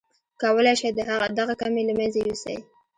کولای شئ دغه کمی له منځه يوسئ.